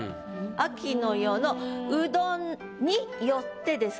「秋の夜のうどん」によってです